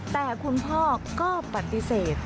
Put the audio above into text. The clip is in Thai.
แต่คุณพ่อก็ปฏิเสธ